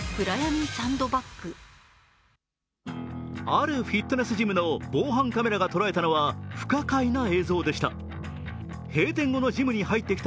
あるフィットネスジムの防犯カメラが捉えたのは不可解な映像でした。